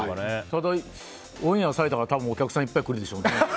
ただ、オンエアされたらお客さんいっぱい来るでしょうね。